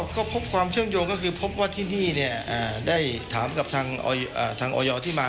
ก็พบความเชื่อมโยงก็คือพบว่าที่นี่ได้ถามกับทางออยที่มา